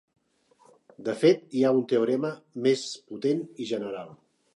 De fet, hi ha un teorema més potent i general.